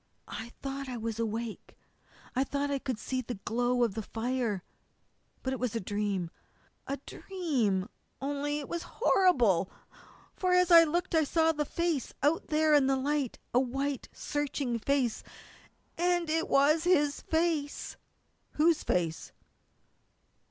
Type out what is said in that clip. "I thought I was awake. I thought I could see the glow of the fire. But it was a dream a dream, only it was horrible! For as I looked I saw a face out there in the light, a white, searching face and it was his face!" "Whose face?"